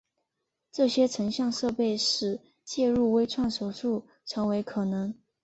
这些成像设备使介入微创手术成为可能。